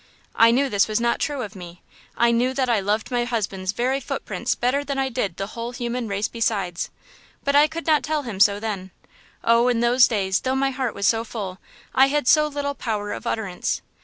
I knew this was not true of me. I knew that I loved my husband's very footprints better than I did the whole human race besides; but I could not tell him so then. Oh, in those days, though my heart was so full, I had so little power of utterance!